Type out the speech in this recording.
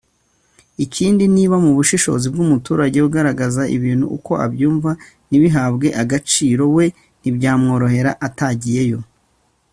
Ikindi niba mu bushishozi bw’umuturage ugaragaza ibintu uko abyumva ntibihabwe agaciro we ntibyamworohera atagiyeyo